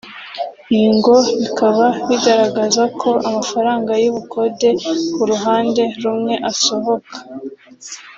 ibi ngo bikaba bigaragaza ko amafranga y’ubukode ku ruhande rumwe asohoka